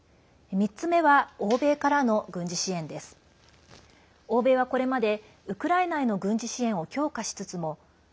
３つ目は欧米からの軍事支援です。